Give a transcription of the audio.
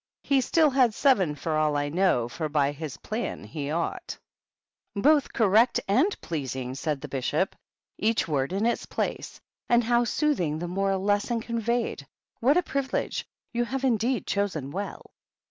He still had severiy for all I knoWy For by his plan he oughtJ^ "Both correct and pleasing," said the Bishop. " Each word in its place. And how soothing the moral lesson conveyed ! What a privilege ! You have indeed chosen well."